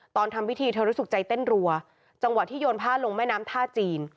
ทำพิธีเธอรู้สึกใจเต้นรัวจังหวะที่โยนผ้าลงแม่น้ำท่าจีน